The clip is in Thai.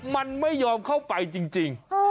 มันไม่ยอมเข้าไปจริง